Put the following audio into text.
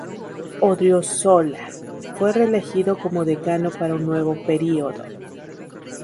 Odriozola fue reelegido como decano para un nuevo período.